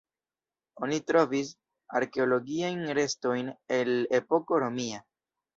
Oni trovis arkeologiajn restojn el epoko romia.